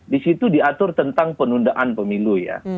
disitu diatur tentang penundaan pemilu ya